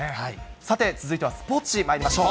さて続いてはスポーツ紙まいりましょう。